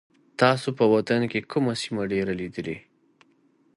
تاسو په وطن کي کومه سیمه ډېره لیدلې؟